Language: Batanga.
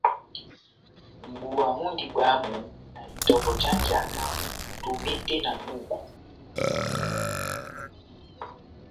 Mʼbuwa múndi bwámu na itɔkɔ já njaka tombete na ŋʼhúku,